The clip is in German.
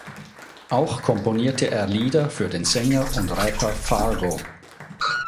Auch komponierte er Lieder für den Sänger und Rapper Fargo.